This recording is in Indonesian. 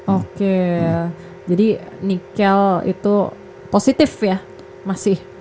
oke jadi nikel itu positif ya masih